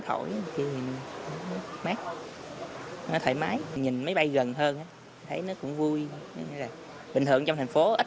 thổi thì mát nó thoải mái nhìn máy bay gần hơn thấy nó cũng vui bình thường trong thành phố ít